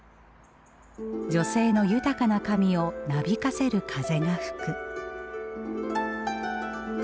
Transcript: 「女性の豊かな髪をなびかせる風が吹く」。